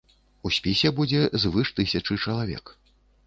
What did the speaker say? У спісе будзе звыш тысячы чалавек.